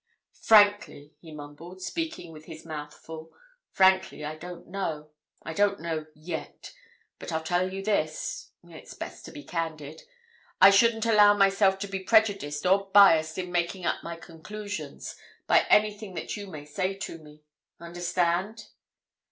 "Frankly," he mumbled, speaking with his mouth full, "frankly, I don't know. I don't know—yet. But I'll tell you this—it's best to be candid—I shouldn't allow myself to be prejudiced or biassed in making up my conclusions by anything that you may say to me. Understand?"